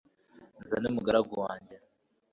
nzane umugaragu wanjye